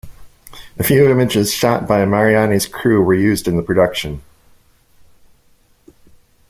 A few images shot by Maraini's crew were used in the production.